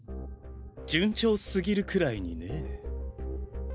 順調すぎるくらいにねえ。